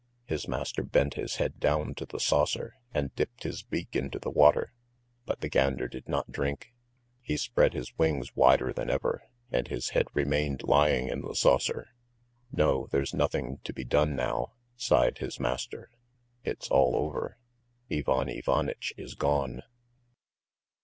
His master bent his head down to the saucer and dipped his beak into the water, but the gander did not drink, he spread his wings wider than ever, and his head remained lying in the saucer. "No, there's nothing to be done now," sighed his master. "It's all over. Ivan Ivanitch is gone!"